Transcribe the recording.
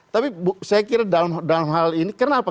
tapi saya kira dalam hal ini kenapa